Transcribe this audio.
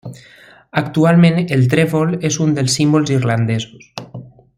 Actualment el trèvol és un dels símbols irlandesos.